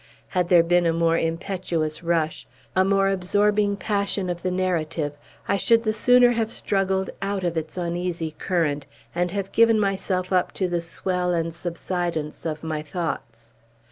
Had there been a more impetuous rush, a more absorbing passion of the narrative, I should the sooner have struggled out of its uneasy current, and have given myself up to the swell and subsidence of my thoughts.